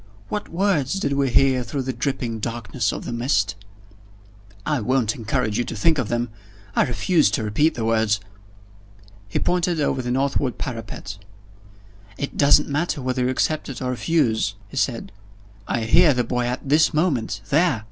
"What words did we hear through the dripping darkness of the mist?" "I won't encourage you to think of them. I refuse to repeat the words." He pointed over the northward parapet. "It doesn't matter whether you accept or refuse," he said, "I hear the boy at this moment there!"